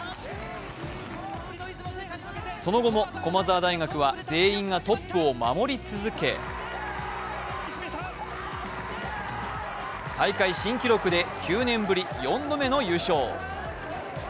その後も駒沢大学は全員がトップを守り続け大会新記録で９年ぶり４度目の優勝。